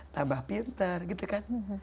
tambah pinter gitu kan